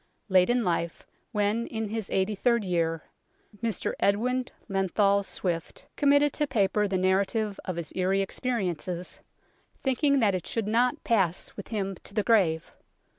Late in life, when in his eighty third year, Mr Edmund Lenthal Swifte committed to paper the narrative of his eerie experiences, thinking that it should not pass with him to the grave.